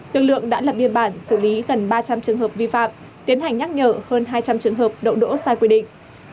lực lượng đã lập biên bản xử lý gần ba trăm linh trường hợp vi phạm tiến hành nhắc nhở hơn hai trăm linh trường hợp đậu đỗ sai quy định